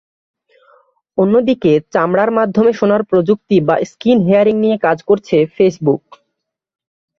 অন্যদিকে চামড়ার মাধ্যমে শোনার প্রযুক্তি বা স্কিন হেয়ারিং নিয়ে কাজ করছে ফেসবুক।